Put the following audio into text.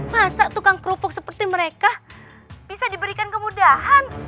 masa tukang kerupuk seperti mereka bisa diberikan kemudahan